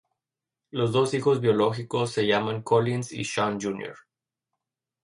Los dos hijos biológicos se llaman Collins y Sean, Jr.